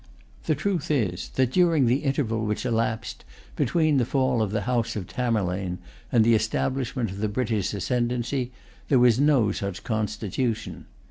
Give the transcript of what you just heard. The truth is that, during the interval which elapsed between the fall of the house of Tamerlane and the establishment of the British ascendency, there was no such constitution.